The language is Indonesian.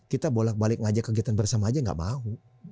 kita bolak balik ngajak kegiatan bersama aja gak mau